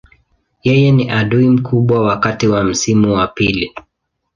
Yeye ni adui mkubwa wakati wa msimu wa pili.